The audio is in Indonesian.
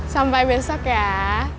sampai besok ya